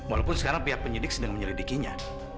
walaupun sekarang pihak penyidik sedang menyelidikinya